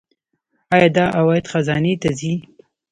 آیا دا عواید خزانې ته ځي؟